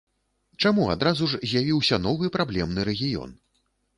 Чаму адразу ж з'явіўся новы праблемны рэгіён?